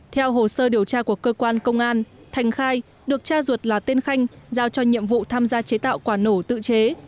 theo hồ sơ điều tra của cơ quan công an thành khai được cha ruột là tên khanh giao cho nhiệm vụ tham gia chế tạo quả nổ tự chế